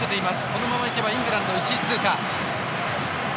このままいけばイングランド、１位通過。